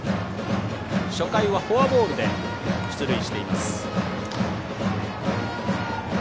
初回はフォアボールで出塁しています。